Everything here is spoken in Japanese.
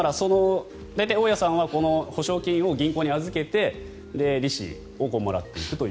大家さんはこの保証金を銀行に預けて利子をもらっていると。